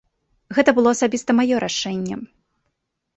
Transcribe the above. Гэта было асабіста маё рашэнне.